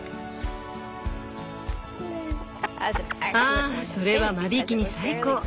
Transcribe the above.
あそれは間引きに最高。